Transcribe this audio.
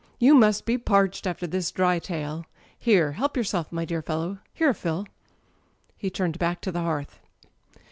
"You must be parched after this dry tale. Here, help yourself, my dear fellow. Here, Phil He turned back to the hearth.